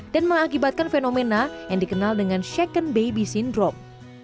dan mengakibatkan fenomena yang dikenal dengan second baby syndrome